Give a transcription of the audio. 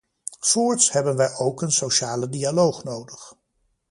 Voorts hebben wij ook een sociale dialoog nodig.